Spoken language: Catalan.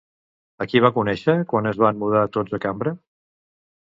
A qui va conèixer quan es van mudar tots a Cambre?